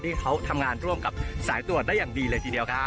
ที่เขาทำงานร่วมกับสายตรวจได้อย่างดีเลยทีเดียวครับ